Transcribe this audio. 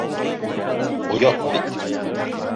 Оят бит!..